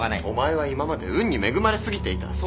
お前は今まで運に恵まれ過ぎていた。